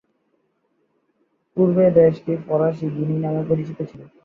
পূর্বে দেশটি ফরাসি গিনি নামে পরিচিত ছিল।